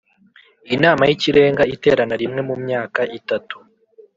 Inama y Ikirenga iterana rimwe mu myaka itatu